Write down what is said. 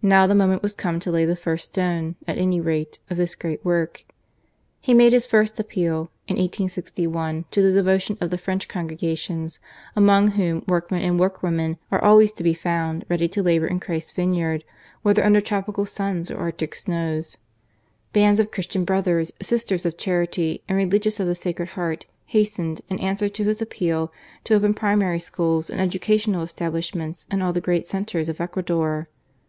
Now the moment was come to lay the first stone, at any rate, of this great work. He made his first appeal (in 1861) to the devotion of the French congregations, among whom workmen and workwomen are always to be found ready to labour in Christ's vineyard, whether under tropical suns or arctic snows. Bands of Christian Brothers, Sisters of Charity, and religious of the Sacred Heart hastened, in answer to his appeal, to open primary schools and educational establishments in all the great centres of Ecuador.